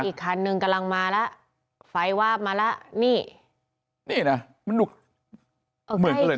อีกคันหนึ่งกำลังมาล่ะไฟวาบมาล่ะนี่นี่น่ะมันดูเหมือนกันเลยน่ะ